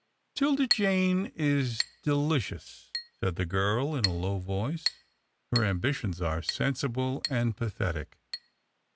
" 'Tilda Jane is delicious," said the girl in a low voice. " Her ambitions are sensible and pathetic.